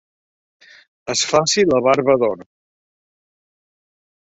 Es faci la barba d'or.